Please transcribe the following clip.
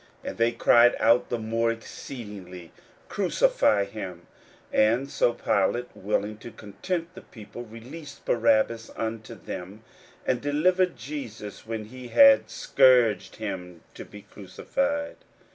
And they cried out the more exceedingly, Crucify him. 41:015:015 And so Pilate, willing to content the people, released Barabbas unto them, and delivered Jesus, when he had scourged him, to be crucified.